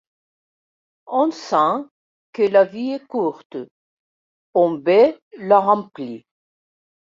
On sent que la vie est courte, on veut la remplir.